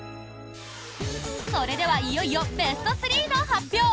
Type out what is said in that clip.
それではいよいよベスト３の発表！